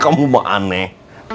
kamu mah aneh